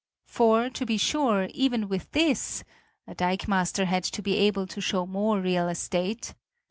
For, to be sure, even with this a dikemaster had to be able to show more real estate!